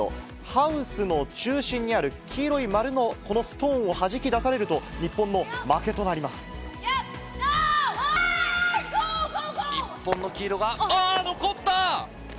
ハウスの中心にある黄色い丸のこのストーンをはじき出されると、日本の黄色が、あー、残った。